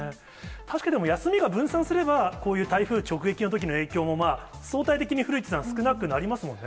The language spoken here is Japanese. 確かに休みが分散すれば、こういう台風直撃のときの影響もまあ、相対的に古市さん、少なくなりますもんね。